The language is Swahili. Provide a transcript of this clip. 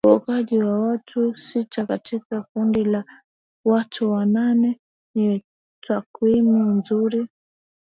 uokoaji wa watu sita katika kundi la watu nane ni takwimu nzuri